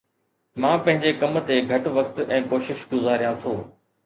مان پنھنجي ڪم تي گھٽ وقت ۽ ڪوشش گذاريان ٿو